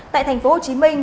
tại thành phố hồ chí minh